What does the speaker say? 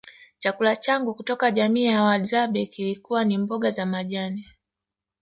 chakula changu kutoka jamii ya Wahadzabe kilikuwa ni mboga za majani